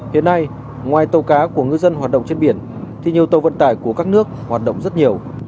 hiện nay ngoài tàu cá của ngư dân hoạt động trên biển thì nhiều tàu vận tải của các nước hoạt động rất nhiều